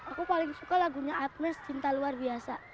aku paling suka lagunya atmes cinta luar biasa